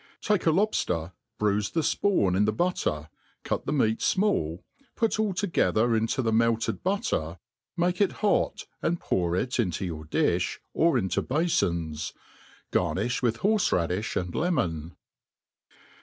Take a lobfter, bruife the fpawn ia the butter, cut the meat fmall, put all together into the melted butter, make it hot and pour it into your diib, or into bafoos. Garniih with horfe raddifli and lemon.